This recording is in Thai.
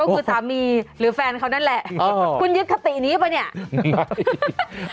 ก็คือสามีหรือแฟนเขานั่นแหละคุณยึดคตินี้ป่ะเนี่ย